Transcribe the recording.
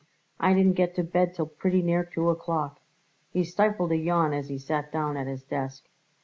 I didn't get to bed till pretty near two o'clock." He stifled a yawn as he sat down at his desk.